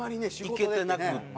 行けてなくて。